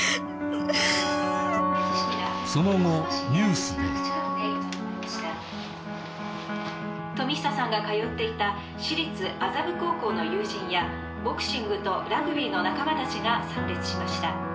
時には富久さんが通っていた私立麻布高校の友人やボクシングとラグビーの仲間たちが参列しました。